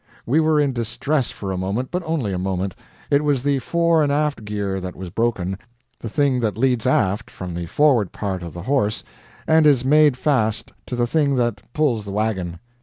We were in distress for a moment, but only a moment. It was the fore and aft gear that was broken the thing that leads aft from the forward part of the horse and is made fast to the thing that pulls the wagon.